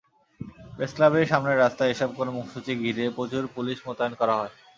প্রেসক্লাবের সামনের রাস্তায় এসব কর্মসূচি ঘিরে প্রচুর পুলিশ মোতায়েন করা হয়।